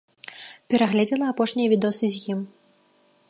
Перагледзела апошнія відосы з ім.